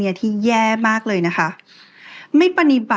พี่ถึกจ้าชายหญิงอยู่ในห้องด้วยกันซะ